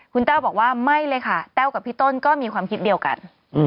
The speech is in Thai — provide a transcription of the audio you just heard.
คุณแต้วบอกว่าไม่เลยค่ะแต้วกับพี่ต้นก็มีความคิดเดียวกัน